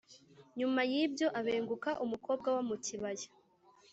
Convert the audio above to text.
Nyuma y’ibyo abenguka umukobwa wo mu kibaya